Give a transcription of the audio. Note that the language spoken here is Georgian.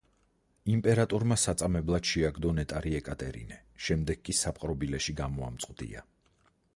იმპერატორმა საწამებლად შეაგდო ნეტარი ეკატერინე, შემდეგ კი საპყრობილეში გამოამწყვდია.